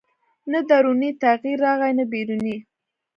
نه دروني تغییر راغی نه بیروني